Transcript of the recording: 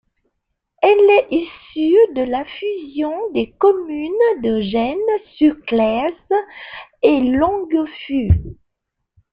Elle est issue de la fusion des communes de Gennes-sur-Glaize et Longuefuye.